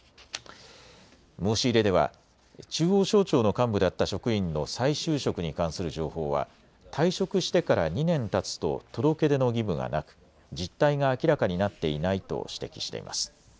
申し入れでは中央省庁の幹部だった職員の再就職に関する情報は退職してから２年たつと届け出の義務がなく実態が明らかになっていないと指摘しています。